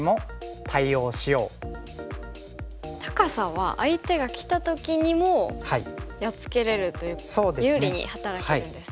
高さは相手がきた時にもやっつけれるという有利に働くんですね。